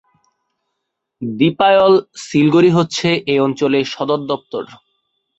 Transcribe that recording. দিপায়ল-সিলগড়ি হচ্ছে এ অঞ্চলের সদরদপ্তর।